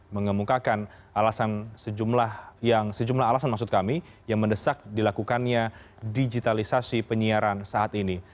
mengemukakan sejumlah alasan maksud kami yang mendesak dilakukannya digitalisasi penyiaran saat ini